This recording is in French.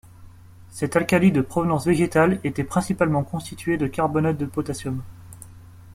Cet alcali de provenance végétale était principalement constitué de carbonate de potassium.